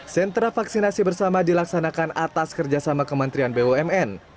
sentra vaksinasi bersama dilaksanakan atas kerjasama kementerian bumn